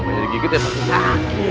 kamu jadi gigit ya makin sakit